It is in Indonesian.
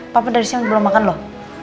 papa dari sini belum makan loh